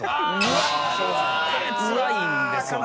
これつらいんですよね。